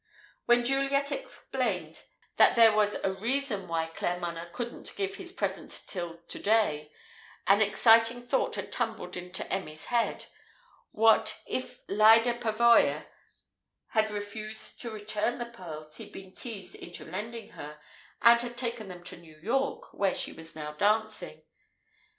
When Juliet explained that there "was a reason" why Claremanagh "couldn't give his present till to day," an exciting thought had tumbled into Emmy's head: What if Lyda Pavoya had refused to return the pearls he'd been teased into lending her, and had taken them to New York, where she was now dancing?